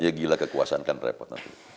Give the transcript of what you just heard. ya gila kekuasaan kan repot nanti